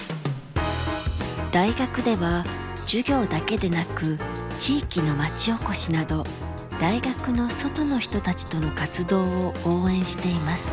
大学では授業だけでなく地域の町おこしなど大学の外の人たちとの活動を応援しています。